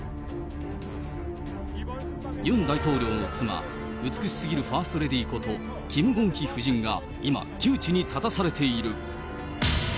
ユン大統領の妻、美しすぎるファーストレディーことキム・ゴンヒ夫人が今、窮地に立たされている。